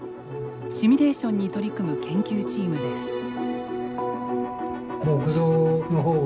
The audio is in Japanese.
シミュレーションに取り組む研究チームです。